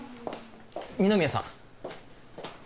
二宮さん。